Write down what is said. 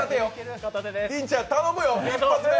りんちゃん、頼むよ、一発目。